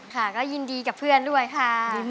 ค่ะก็ยินดีกับเพื่อนด้วยค่ะ